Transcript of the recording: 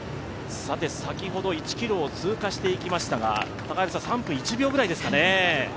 先ほど１ｋｍを通過してきましたが、３分１秒ぐらいですかね。